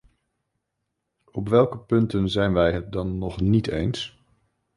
Op welke punten zijn wij het dan nog niet eens?